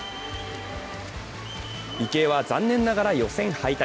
池江は残念ながら予選敗退。